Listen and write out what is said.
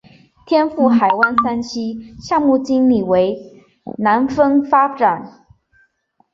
天赋海湾三期项目经理为南丰发展。